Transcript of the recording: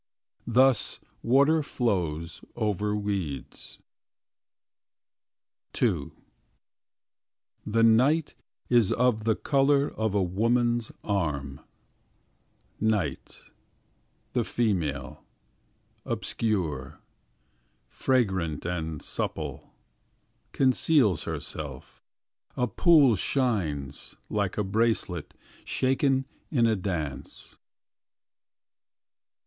Thus water flows Over weeds . II The night is of the color Of a woman's arm: Night, the female. Obscure , Fragrant and supple. Conceals herself, A pool shines. Like a bracelet Shaken in a dance